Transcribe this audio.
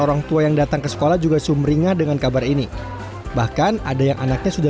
orang tua yang datang ke sekolah juga sumringah dengan kabar ini bahkan ada yang anaknya sudah